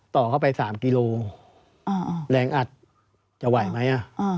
ต่อเข้าไป๓กิโลแรงอัดจะไหวไหม